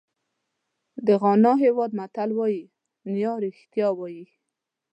د غانا هېواد متل وایي نیا رښتیا وایي.